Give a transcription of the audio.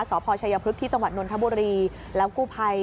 สพชายพึกที่จนนทบุรีและกู้ภัย